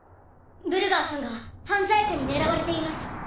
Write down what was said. ブルガーさんが犯罪者に狙われています。